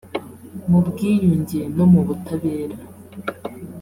mu bwiyunge no mu butabera